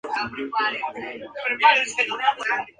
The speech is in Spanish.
Fue conducido por Chris Amon y el joven Gilles Villeneuve.